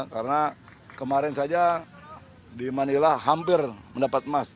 karena kemarin saja di manila hampir mendapat emas